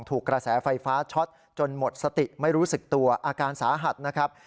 กระแสไฟฟ้าช็อตจนหมดสติไม่รู้สึกตัวอาการสาหัสนะครับ